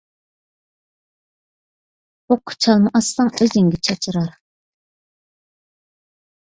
پوققا چالما ئاتساڭ، ئۆزۈڭگە چاچرار.